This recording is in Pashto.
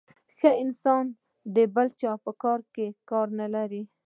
ښه انسان د بل چا په کار کي کار نلري .